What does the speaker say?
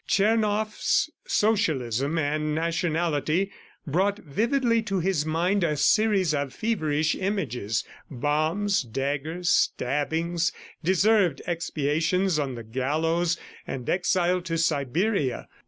Tchernoff's socialism and nationality brought vividly to his mind a series of feverish images bombs, daggers, stabbings, deserved expiations on the gallows, and exile to Siberia.